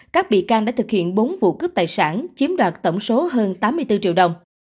các bị can đã thực hiện bốn vụ cướp tài sản chiếm đoạt tổng số hơn tám mươi bốn triệu đồng